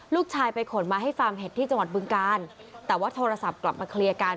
ลูกชายไปขนมาให้ฟาร์มเห็ดที่จังหวัดบึงการแต่ว่าโทรศัพท์กลับมาเคลียร์กัน